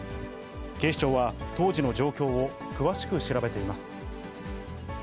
警視庁は当時の状況を詳しく調べています。